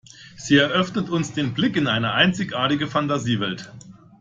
Sie eröffnet uns den Blick in eine einzigartige Fantasiewelt.